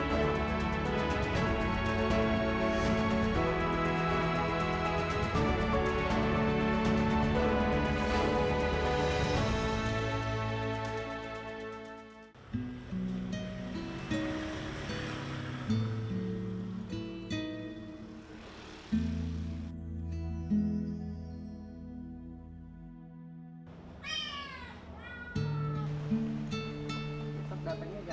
setiap hari menghabiskan plainsia